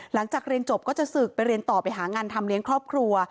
หลังจากเรียนจบก็จะศึกไปเรียนต่อไปหางานทำเลี้ยงครอบครัว